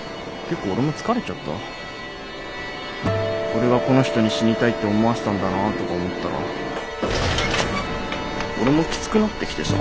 俺がこの人に死にたいって思わせたんだなとか思ったら俺もきつくなってきてさ。